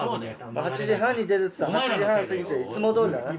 ８時半に出るっつったのに８時半過ぎていつもどおりだな。